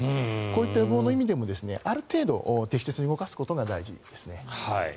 こういった予防の意味でもある程度、適切に動かすことが大事ですね。